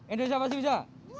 indonesia pasti bisa